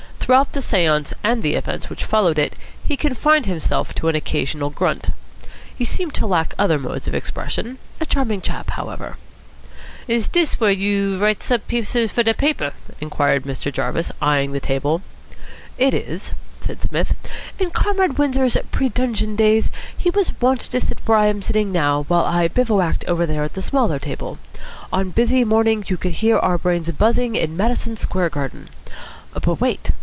Throughout the seance and the events which followed it he confined himself to an occasional grunt. He seemed to lack other modes of expression. A charming chap, however. "Is dis where youse writes up pieces fer de paper?" inquired Mr. Jarvis, eyeing the table. "It is," said Psmith. "In Comrade Windsor's pre dungeon days he was wont to sit where I am sitting now, while I bivouacked over there at the smaller table. On busy mornings you could hear our brains buzzing in Madison Square Garden. But wait!